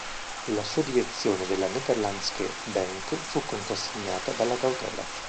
La sua direzione della Nederlandsche Bank fu contrassegnata dalla cautela.